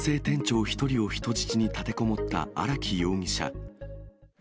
店長１人を人質に立てこもった荒木容疑者。